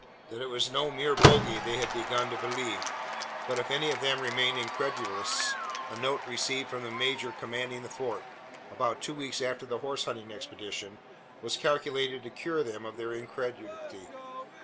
That it was no mere "bogie" they had begun to believe; but if any of them remained incredulous, a note received from the major commanding the Fort about two weeks after the horse hunting expedition was calculated to cure them of their incredulity.